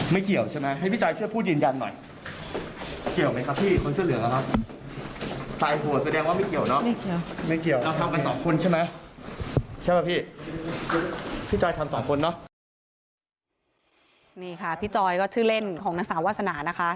นี่ค่ะพี่จอยก็ชื่อเล่นของนางสาววาสนานะคะ